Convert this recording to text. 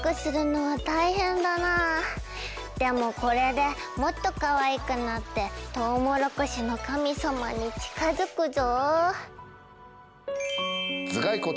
でもこれでもっとかわいくなってとうもろこしの神様に近づくぞ！